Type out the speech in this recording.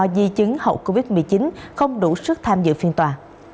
di chứng hậu covid một mươi chín không đủ sức tham dự phiên tòa